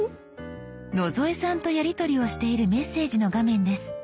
野添さんとやりとりをしているメッセージの画面です。